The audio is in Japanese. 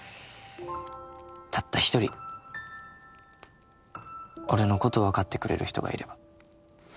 たった１人俺のこと分かってくれる人がいれば。